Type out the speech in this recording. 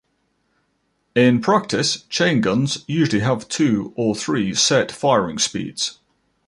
In practice, chain guns usually have two or three set firing speeds.